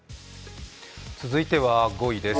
続いては５位です。